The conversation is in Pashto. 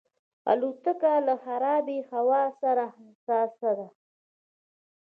الوتکه له خرابې هوا سره حساسه ده.